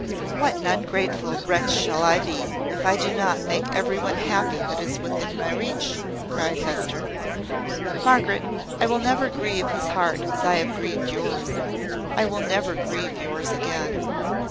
"What an ungrateful wretch shall I be, if I do not make every one happy that is within my reach!" cried Hester. "Margaret, I will never grieve his heart as I have grieved yours. I will never grieve yours again."